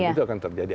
itu akan terjadi